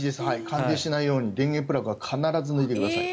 感電しないように電源プラグは必ず抜いてください。